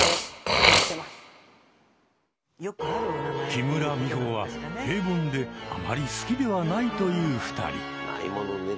木村美穂は平凡であまり好きではないという２人。